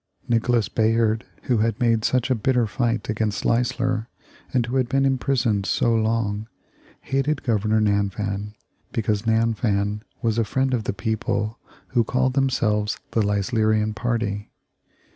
Nicholas Bayard, who had made such a bitter fight against Leisler, and who had been imprisoned so long, hated Governor Nanfan, because Nanfan was a friend of the people who called themselves the Leislerian party.